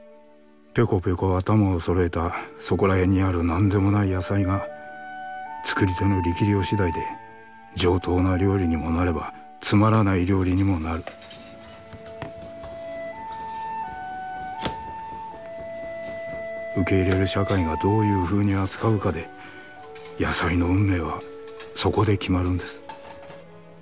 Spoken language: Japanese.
ぴょこぴょこ頭を揃えたそこらへんにある何でもない野菜が作り手の力量次第で上等な料理にもなればつまらない料理にもなる受け入れる社会がどういうふうに扱うかで野菜の運命はそこで決まるんです。